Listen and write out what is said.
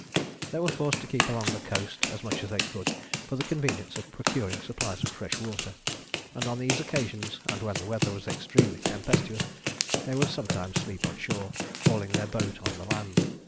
They were forced to keep along the coast, as much as they could, for the convenience of procuring supplies of fresh water; and on these occasions, and when the weather was extremely tempestuous, they would sometimes sleep on shore, hauling their boat on the land.